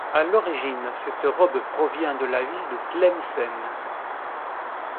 À l'origine, cette robe provient de la ville de Tlemcen.